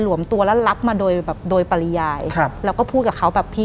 หลังจากนั้นเราไม่ได้คุยกันนะคะเดินเข้าบ้านอืม